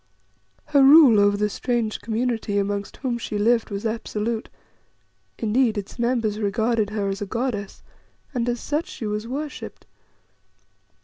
Her rule over the strange community amongst whom she lived was absolute; indeed, its members regarded her as a goddess, and as such she was worshipped.